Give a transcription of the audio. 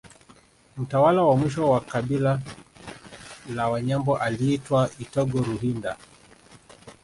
Mtawala wa mwisho wa kabila la Wanyambo aliitwa Itogo Ruhinda